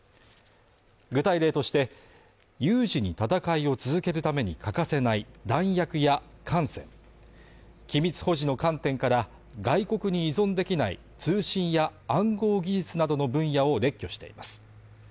具体例として、有事に戦いを続けるために欠かせない弾薬や艦船機密保持の観点から、外国に依存できない通信や暗号技術などの分野を列挙しています。